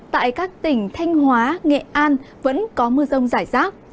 tại các tỉnh thanh hóa nghệ an vẫn có mưa rông rải rác